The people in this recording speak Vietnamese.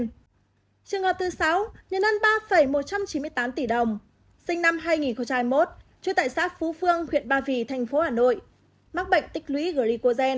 trường hợp thứ sáu nhận hơn ba một trăm chín mươi tám tỷ đồng sinh năm hai nghìn hai mươi một trú tại xác phú phương huyện ba vì thành phố hà nội mắc bệnh tích lý glicogen